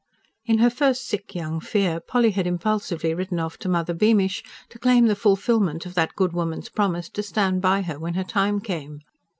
In her first sick young fear Polly had impulsively written off to Mother Beamish, to claim the fulfilment of that good woman's promise to stand by her when her time came.